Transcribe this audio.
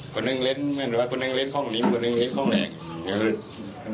คนหนึ่งเล่นคนหนึ่งเล่นข้องนิ้มคนหนึ่งเล่นข้องแหลง